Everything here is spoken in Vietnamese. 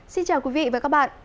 xin chào quý vị và các bạn